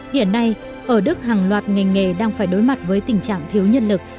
hiện nay ở đức hàng loạt ngành nghề đang phải đối mặt với tình trạng thiếu nhân lực